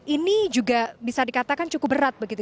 ini juga bisa dikatakan cukup berat begitu